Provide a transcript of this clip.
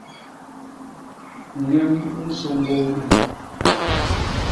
Ñem u nsôñgôô me.